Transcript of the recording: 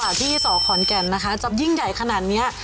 ที่สอขอนแก่นนะคะจะยิ่งใหญ่ขนาดเนี้ย